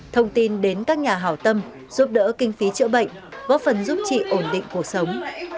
thông tin đến các nhà hảo tâm giúp đỡ kinh phí chữa bệnh góp phần giúp chị ổn định cuộc sống